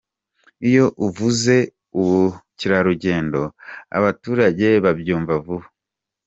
Iyo uvuze ubukerarugendo abaturage babyumva vuba.